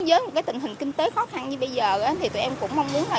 với một cái tình hình kinh tế khó khăn như bây giờ thì tụi em cũng mong muốn là